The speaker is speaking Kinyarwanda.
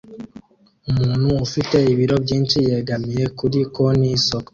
Umuntu ufite ibiro byinshi yegamiye kuri konti y'isoko